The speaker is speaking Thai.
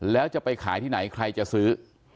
แล้วจะไปขายที่ไหนใครจะซื้อ